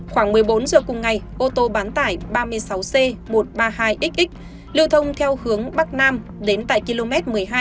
khoảng một mươi bốn giờ cùng ngày ô tô bán tải ba mươi sáu c một trăm ba mươi hai xx lưu thông theo hướng bắc nam đến tại km một mươi hai bảy trăm một mươi